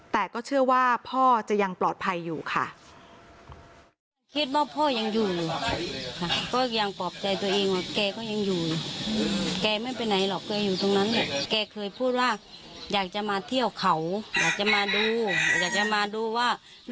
แต่ก็เชื่อว่าพ่อจะยังปลอดภัยอยู่ค่ะ